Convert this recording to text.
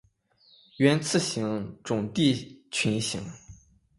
愿此行，终抵群星。